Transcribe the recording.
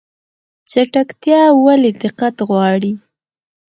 چټکتیا ولې دقت غواړي؟